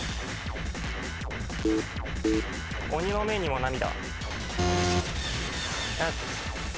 鬼の目にも涙。